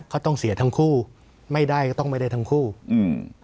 เขาต้องเสียทั้งคู่ไม่ได้ก็ต้องไม่ได้ทั้งคู่อืม